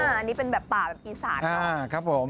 อันนี้เป็นแบบป่าแบบอีสานเนอะครับผม